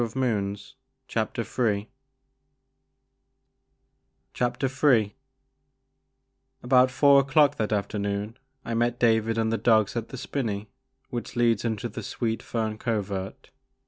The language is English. Poor Howlett 1 Ill ABOUT four o'clock that afternoon I met David and the dogs at the spinney which leads into the Sweet Fern Covert.